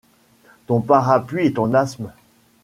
Ton parapluie et ton asthme.